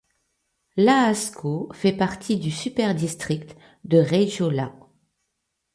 Laakso fait partie du superdistrict de Reijola.